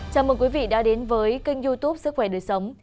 chào mừng quý vị đã đến với kênh youtube sức khỏe đời sống